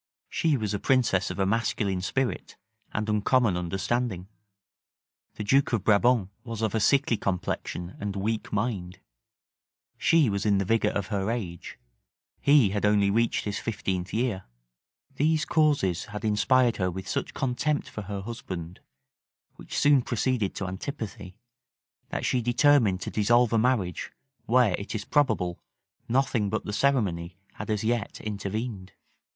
She was a princess of a masculine spirit and uncommon understanding: the duke of Brabant was of a sickly complexion and weak mind: she was in the vigor of her age; he had only reached his fifteenth year: these causes had inspired her with such contempt for her husband, which soon proceeded to antipathy that she determined to dissolve a marriage, where, it is probable, nothing but the ceremony had as yet intervened.